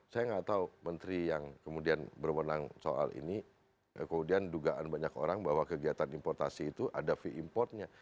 saya nggak tahu menteri yang kemudian berwenang soal ini kemudian dugaan banyak orang bahwa kegiatan importasi itu ada fee importnya